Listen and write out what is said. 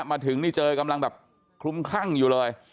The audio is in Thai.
มาถึงนี่เจอกำลังแบบคลุมคลั่งอยู่เลย